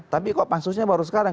tapi kok pansusnya baru sekarang